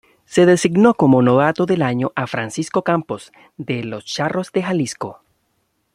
Se designó como novato del año a Francisco Campos de los Charros de Jalisco.